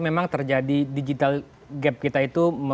memang terjadi digital gap kita itu